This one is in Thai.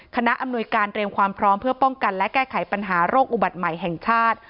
อำนวยการเตรียมความพร้อมเพื่อป้องกันและแก้ไขปัญหาโรคอุบัติใหม่แห่งชาติ